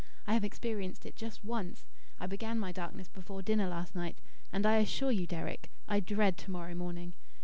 I have experienced it just once, I began my darkness before dinner last night, and I assure you, Deryck, I dread to morrow morning.